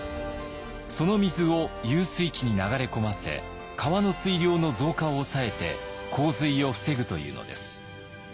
その水を遊水池に流れ込ませ川の水量の増加を抑えて洪水を防ぐというのです。